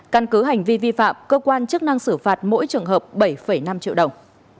căn cứ hành vi vi phạm cơ quan chức năng xử phạt mỗi trường hợp bảy năm triệu đồng